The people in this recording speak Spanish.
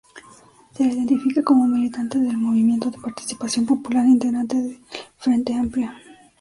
Se la identifica como militante del Movimiento de Participación Popular, integrante del Frente Amplio.